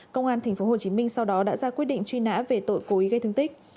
công an tp hcm sau đó đã ra quyết định truy nã về tội cố ý gây thương tích